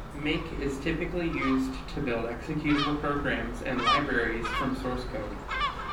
Make is typically used to build executable programs and libraries from source code.